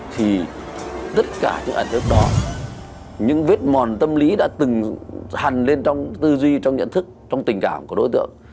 thì tất cả những ẩn ức đó những vết mòn tâm lý đã từng hằn lên trong tư duy trong nhận thức trong tình cảm của đối tượng